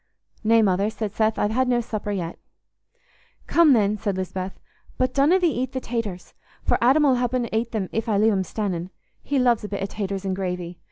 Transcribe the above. "Nay, Mother," said Seth, "I've had no supper yet." "Come, then," said Lisbeth, "but donna thee ate the taters, for Adam 'ull happen ate 'em if I leave 'em stannin'. He loves a bit o' taters an' gravy.